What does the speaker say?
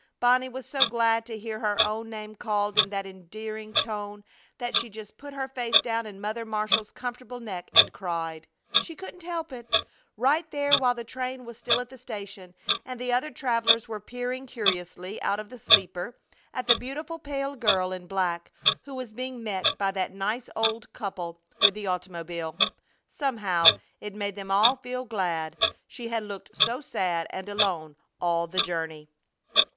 Bonnie was so glad to hear her own name called in that endearing tone that she just put her face down in Mother Marshall's comfortable neck and cried. She couldn't help it, right there while the train was still at the station and the other travelers were peering curiously out of the sleeper at the beautiful pale girl in black who was being met by that nice old couple with the automobile. Somehow it made them all feel glad, she had looked so sad and alone all the journey.